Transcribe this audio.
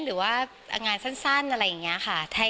หรือว่างานสั้นอะไรอย่างนี้ค่ะ